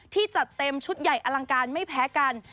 จัดเต็มชุดใหญ่อลังการไม่แพ้กัน